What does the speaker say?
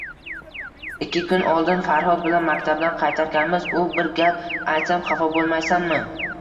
Ikki kun oldin Farhod bilan maktabdan qaytarkanmiz, u Bir gap aytsam, xafa bo`lmaysanmi